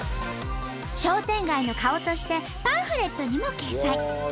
商店街の顔としてパンフレットにも掲載。